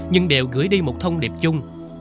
nhưng đều gửi đi một thông điệp chung